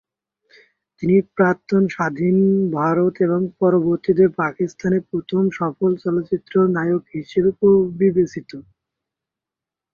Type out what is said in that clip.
তিনি প্রাক্তন স্বাধীন ভারত এবং পরবর্তীতে পাকিস্তানে প্রথম সফল চলচ্চিত্র নায়ক হিসেবে বিবেচিত।